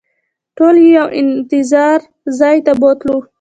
ټول یې یو انتظار ځای ته بوتلو.